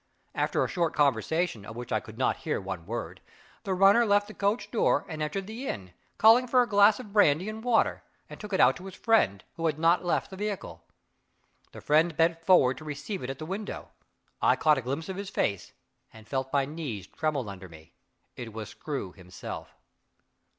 After a short conversation, of which I could not hear one word, the runner left the coach door and entered the inn, called for a glass of brandy and water, and took it out to his friend, who had not left the vehicle. The friend bent forward to receive it at the window. I caught a glimpse of his face, and felt my knees tremble under me it was Screw himself!